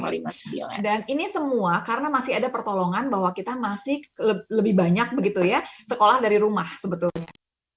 dan ini semua karena masih ada pertolongan bahwa kita masih lebih banyak begitu ya sekolah dari rumah sebetulnya